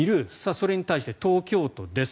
それに対して東京都です。